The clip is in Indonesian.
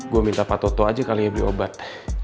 gue minta pak toto aja kali ya beli obat